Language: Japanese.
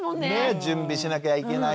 準備しなきゃいけないしね。